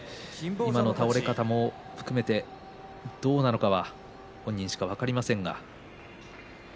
今の倒れ方も含めてどうなのかは本人にしか分かりません。